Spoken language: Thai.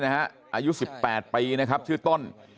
อายุ๑๘ปีชื่อต้น